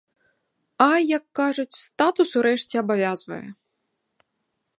А, як кажуць, статус урэшце абавязвае.